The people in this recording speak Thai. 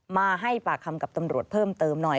มาให้ปากคำกับตำรวจเพิ่มเติมหน่อย